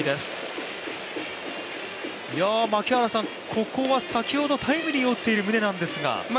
ここは先ほどタイムリーを打っている宗なんですが。